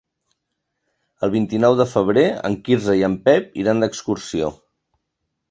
El vint-i-nou de febrer en Quirze i en Pep iran d'excursió.